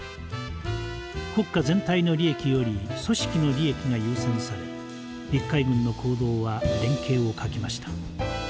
国家全体の利益より組織の利益が優先され陸海軍の行動は連携を欠きました。